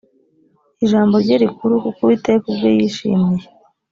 ijambo rye rikuru kuko uwiteka ubwe yishimiye